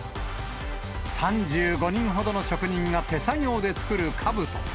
３５人ほどの職人が手作業で作るかぶと。